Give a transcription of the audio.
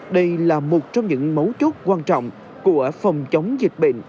đây là một trong những mấu chốt quan trọng của phòng chống dịch bệnh